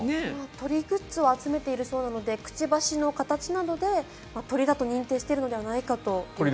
鳥グッズを集めているそうなのでくちばしの形などで鳥だと認定しているのではないかと。